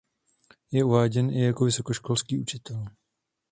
Je uváděn i jako vysokoškolský učitel.